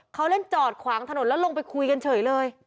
เขาเล่นจอดขวางถนนแล้วลงไปคุยกันเฉยเลย